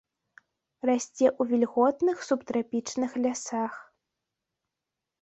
Расце ў вільготных субтрапічных лясах.